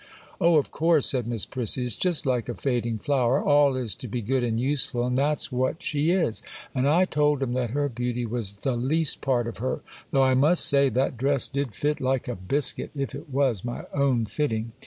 'Oh, of course,' said Miss Prissy; 'it's just like a fading flower; all is to be good and useful, and that's what she is; and I told 'em that her beauty was the least part of her, though I must say that dress did fit like a biscuit, if it was my own fitting.